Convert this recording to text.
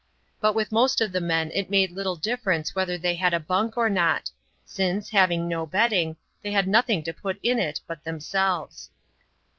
But with most of the men it made little difference whether they had a bunk or not^ since, having no bedding, they had nothing to put in it bat themselves.